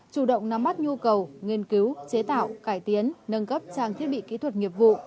chủ động nắm mắt nhu cầu nghiên cứu chế tạo cải tiến nâng cấp trang thiết bị kỹ thuật nghiệp vụ